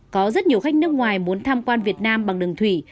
có rất nhiều khách nước ngoài muốn tham quan việt nam bằng đường thủy